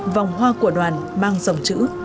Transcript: vòng hoa của đoàn mang dòng chữ